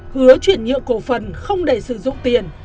hứa chuyển nhượng cổ phần không để sử dụng tiền